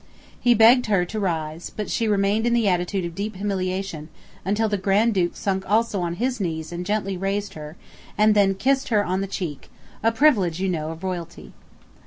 He begged her to rise, but she remained in the attitude of deep humiliation, until the Grand Duke sunk also on his knees and gently raised her, and then kissed her on the cheek, a privilege, you know, of royalty.